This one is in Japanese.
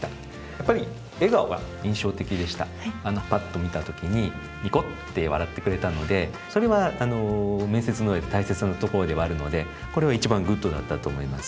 やっぱりぱっと見た時ににこって笑ってくれたのでそれは面接の上で大切なところではあるのでこれは一番グッドだったと思います。